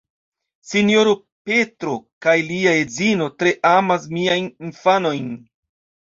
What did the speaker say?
Sinjoro Petro kaj lia edzino tre amas miajn infanojn.